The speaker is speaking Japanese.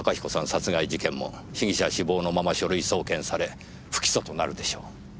殺害事件も被疑者死亡のまま書類送検され不起訴となるでしょう。